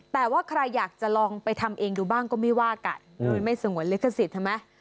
แต่ว่าใครอยากจะลองไปทำเองดูบ้างก็ไม่ว่ากันโดยไม่สงวนลิขสิทธิ์ไหม